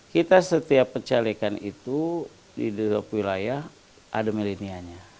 kita setiap percalihan itu di wilayah ada millennial nya